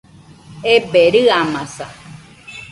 Ebe, rɨamaza